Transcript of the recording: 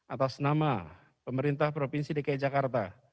atas nama pemerintah provinsi dki jakarta